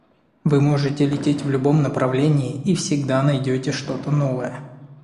Вы можете лететь в любом направлении, и всегда найдете что-то новое.